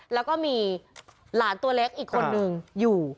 แล้วก็มีหลานตัวเล็กอีกคนนึงอยู่